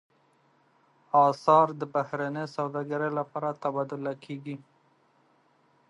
اسعار د بهرنۍ سوداګرۍ لپاره تبادله کېږي.